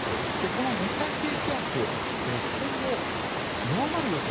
この熱帯低気圧今後、弱まる予想。